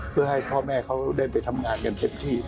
เพื่อให้พ่อแม่เขาได้ไปทำงานกันเต็มที่